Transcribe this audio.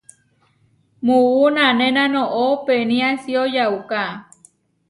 Muú nanéna noʼó peniásio yauká.